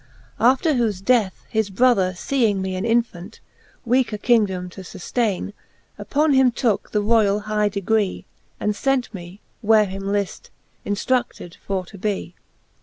After whoie death, his brother feeing mee An infant, weake a kingdome to fuftaine, Upon him tooke the roiall high degree, And lent me, where him lift, inftruded for to bee, XXIX.